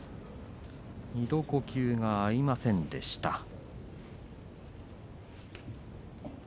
２度、呼吸が合いませんでした。